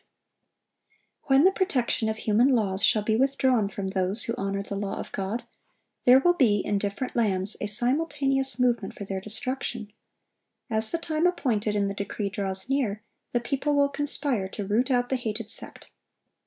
] When the protection of human laws shall be withdrawn from those who honor the law of God, there will be, in different lands, a simultaneous movement for their destruction. As the time appointed in the decree draws near, the people will conspire to root out the hated sect.